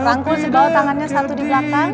rangkul segala tangannya satu di belakang